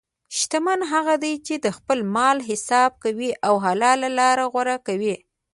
شتمن هغه دی چې د خپل مال حساب کوي او حلال لاره غوره کوي.